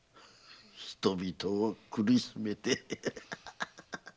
人々を苦しめて。